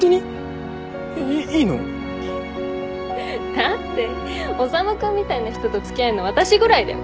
だって修君みたいな人と付き合えるの私ぐらいだよ。